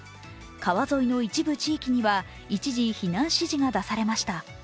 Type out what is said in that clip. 川沿いの一部地域には一時避難指示が出されました。